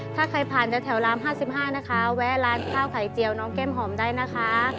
ถ้าใครผ่านจากแถวร้ำห้าสิบห้านะคะแวะร้านข้าวไข่เจียวน้องเก้มหอมได้นะคะ